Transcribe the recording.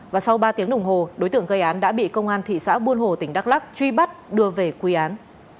và sau ba tiếng đồng hồ đối tượng gây án đã bị công an thị xã buôn hồ tỉnh đắk lắc truy bắt đưa về quy án